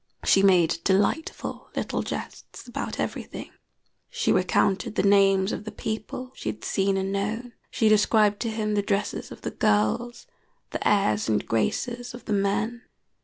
She made delightful little jests about everything; she recounted the names of the people she had seen and known; she described to him the dresses of the girls, the airs and graces of the men.